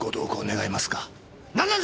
何なんだ！？